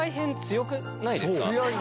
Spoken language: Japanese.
強い！